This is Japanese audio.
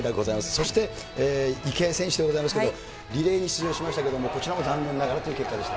そして、池江選手でございますけれども、リレーに出場しましたけれども、こちらも残念ながらという結果でした。